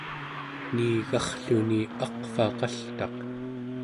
niigarrluni aqvaa qaltaq